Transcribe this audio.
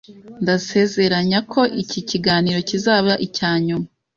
Ndasezeranye ko iki kiganiro kizaba icya nyuma.